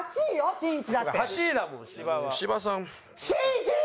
しんいち！